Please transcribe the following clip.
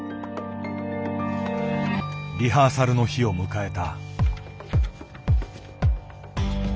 リハーサルの日を迎えた。